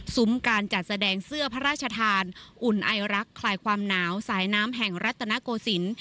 การจัดแสดงเสื้อพระราชทานอุ่นไอรักคลายความหนาวสายน้ำแห่งรัฐนโกศิลป์